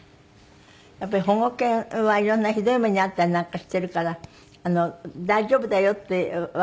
やっぱり保護犬は色んなひどい目に遭ったりなんかしているから大丈夫だよってわからせるのが大変でしょ？